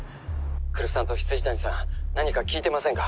来栖さんと未谷さん何か聞いてませんか？